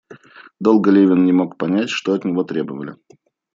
Долго Левин не мог понять, чего от него требовали.